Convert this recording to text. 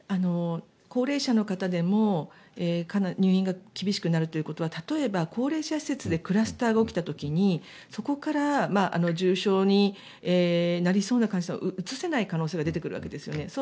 高齢者の方でも入院が厳しくなるということは例えば、高齢者施設でクラスターが起きた時にそこから重症になりそうな患者さんを移せない可能性が出てくるわけですよね。